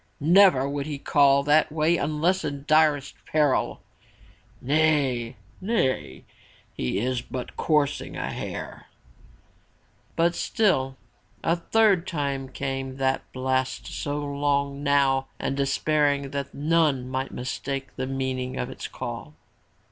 Never would he call that way unless in direst peril!" "Nay! nay! he is but coursing a hare!" But still a third time came that blast so long now and despair ing that none might mistake the meaning of its call.